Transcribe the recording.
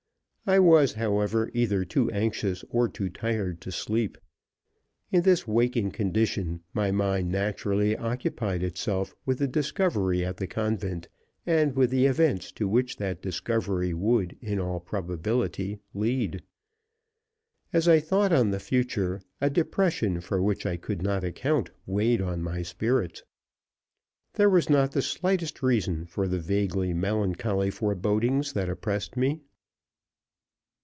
I was, however, either too anxious or too tired to sleep. In this waking condition, my mind naturally occupied itself with the discovery at the convent and with the events to which that discovery would in all probability lead. As I thought on the future, a depression for which I could not account weighed on my spirits. There was not the slightest reason for the vaguely melancholy forebodings that oppressed me.